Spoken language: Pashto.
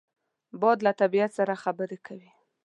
باد له طبیعت سره خبرې کوي